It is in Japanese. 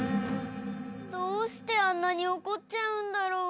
どうしてあんなにおこっちゃうんだろう？